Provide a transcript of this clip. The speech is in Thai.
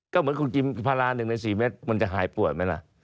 ก็เหมือนคุณกินพารา๑ใน๔เมตรมันจะหายป่วยไหมล่ะ